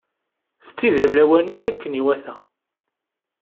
Tettidir lawan-is akken iwata.